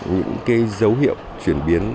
những cái dấu hiệu chuyển biến